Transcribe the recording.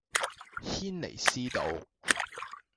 軒尼詩道